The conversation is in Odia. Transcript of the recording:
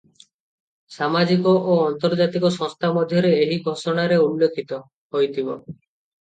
ସାମାଜିକ ଓ ଆନ୍ତର୍ଜାତିକ ସଂସ୍ଥା ମଧ୍ୟରେ ଏହି ଘୋଷଣାରେ ଉଲ୍ଲିଖିତ ହୋଇଥିବ ।